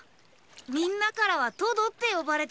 みんなからはトドって呼ばれてます！